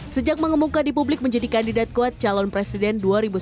sejak mengemuka di publik menjadi kandidat kuat calon presiden dua ribu sembilan belas